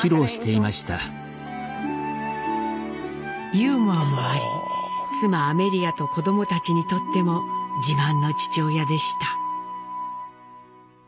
ユーモアもあり妻アメリアと子どもたちにとっても自慢の父親でした。